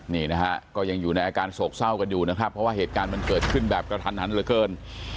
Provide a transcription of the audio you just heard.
นี่นะฮะก็ยังอยู่ในอาการโศกเศร้ากันอยู่นะครับเพราะว่าเหตุการณ์มันเกิดขึ้นแบบกระทันหันเหลือเกิน